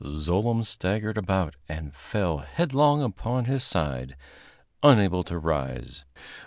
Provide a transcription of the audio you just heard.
Zlooem staggered about and fell headlong upon his side, unable to rise.